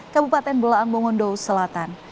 kabupaten bulaang bungondo selatan